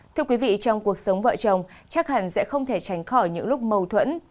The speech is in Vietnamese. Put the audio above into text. thưa quý vị trong cuộc sống vợ chồng chắc hẳn sẽ không thể tránh khỏi những lúc mâu thuẫn